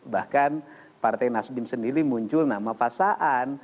bahkan partai nasibin sendiri muncul nama pasaan